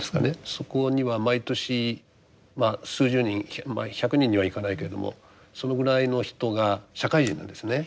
そこには毎年数十人１００人にはいかないけれどもそのぐらいの人が社会人なんですね